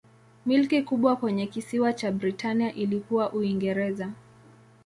Milki kubwa kwenye kisiwa cha Britania ilikuwa Uingereza.